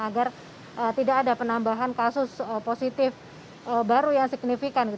agar tidak ada penambahan kasus positif baru yang signifikan